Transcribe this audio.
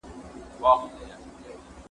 زه خبري کړي دي؟